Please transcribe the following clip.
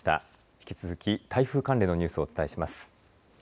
引き続き台風関連のニュースをお伝えします。